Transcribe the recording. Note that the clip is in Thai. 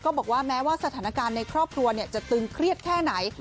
บอกว่าแม้ว่าสถานการณ์ในครอบครัวจะตึงเครียดแค่ไหน